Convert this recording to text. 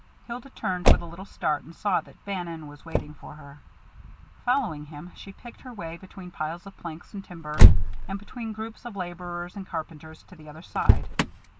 Hilda turned with a little start and saw that Bannon was waiting for her. Following him, she picked her way between piles of planks and timber, and between groups of laborers and carpenters, to the other side.